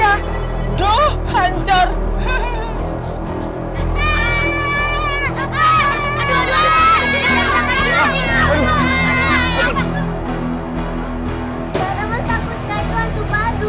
zara kau takut gak itu hantu badu